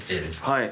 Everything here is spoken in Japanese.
はい。